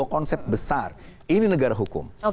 konsep besar ini negara hukum